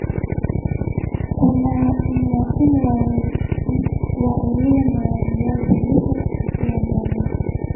kuna umuhimu wa elimu ya viazi lishe kufikia jamii